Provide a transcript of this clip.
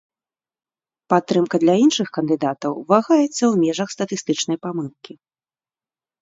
Падтрымка для іншых кандыдатаў вагаецца ў межах статыстычнай памылкі.